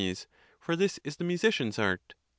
For this is the musician's art.